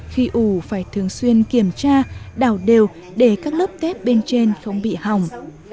khi ủ phải thường xuyên kiểm tra đảo đều để các lớp tép bên trên không bị hỏng